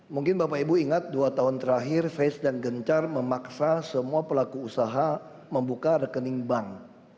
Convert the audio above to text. mungkin bapak ibu ingat dua tahun terakhir face dan gencar memaksa semua pelaku usaha membuka rekening bank